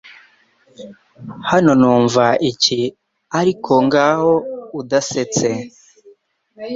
Hano Numva iki ariko ngaho udasetse